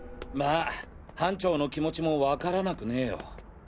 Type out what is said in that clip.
まぁ班長の気持ちもわからなくねぇよ。